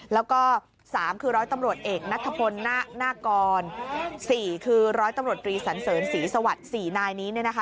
แล้วก็๓คือร้อยตำรวจเอกนัทพลนากร๔คือร้อยตำรวจตรีสันเสริญศรีสวัสดิ์๔นายนี้เนี่ยนะคะ